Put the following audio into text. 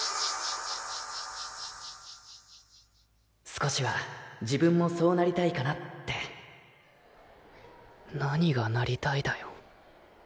少しは自分もそうなりたいかなってなにがなりたいだよ。